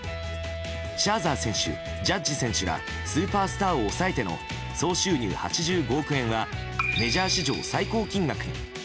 シャーザー選手、ジャッジ選手らスーパースターを抑えての総収入８５億円はメジャー史上最高金額。